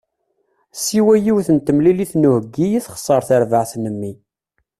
Siwa yiwet n temlilit n uheggi i texser terbaɛt n mmi.